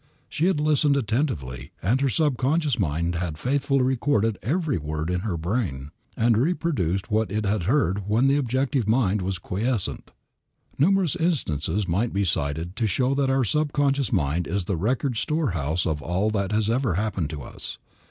She had listened attentively, and her subconscious mind had faithfully recorded every word in her brain, and reproduced what it had heard when the objective mind was quiescent. Numerous instances might be cited to show that our subconscious mind is the record storehouse of all that has ever happened to us.